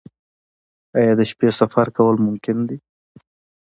آیا د شپې سفر کول ممکن دي؟